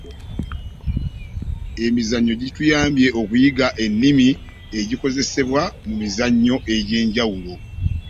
emizannyo gituyambye okuyiga ennimi ezikozesebwa mu mizannyo egyenjawulo